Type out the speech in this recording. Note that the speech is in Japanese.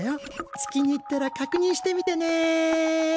月に行ったらかくにんしてみてね。